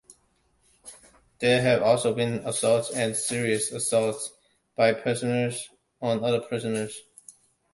There have also been assaults and serious assaults by prisoners on other prisoners.